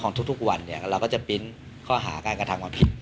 ของทุกวันเราก็จะปินซ์ข้อหาการกระทำเป็นผิด